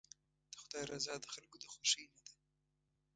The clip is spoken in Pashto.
د خدای رضا د خلکو د خوښۍ نه ده.